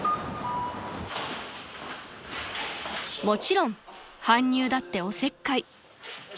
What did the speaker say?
［もちろん搬入だっておせっかい］